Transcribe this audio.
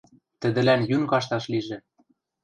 – Тӹдӹлӓн йӱн кашташ лижӹ...